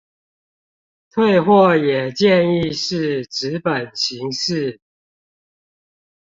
退貨也建議是紙本形式